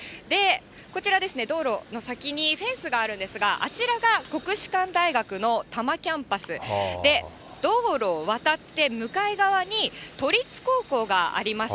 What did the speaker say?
こちらですね、道路の先にフェンスがあるんですが、あちらが国士舘大学の多摩キャンパス、道路を渡って向かい側に、都立高校があります。